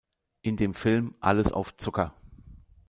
In dem Film "Alles auf Zucker!